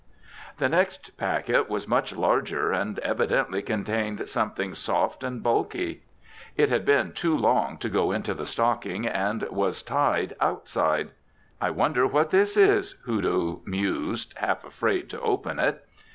The next packet was much larger and evidently contained something soft and bulky. It had been too long to go into the stocking and was tied outside. "I wonder what this is," Hoodoo mused, half afraid to open it.